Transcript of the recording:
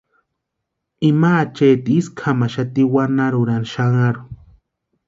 Ima acheeti isku jamaxati wanarhurani xanharhu.